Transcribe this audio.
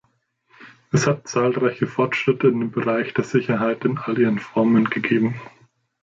Es hat zahlreiche Fortschritte in dem Bereich der Sicherheit in all ihren Formen gegeben.